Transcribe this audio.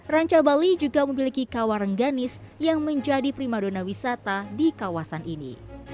rancah bali juga memiliki kawah rengganis yang menjadi primadona wisata di kawasan ini